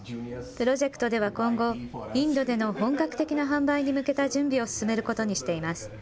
プロジェクトでは今後、インドでの本格的な販売に向けた準備を進めることにしています。